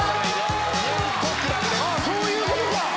ああそういうことか。